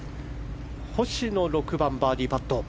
星野、６番バーディーパット。